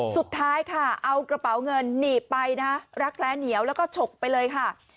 สุดท้ายค่ะเอากระเป๋าเงินหนีบไปนะรักแร้เหนียวแล้วก็ฉกไปเลยค่ะ